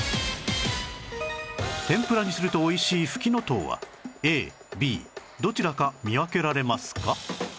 天ぷらにするとおいしいフキノトウは ＡＢ どちらか見分けられますか？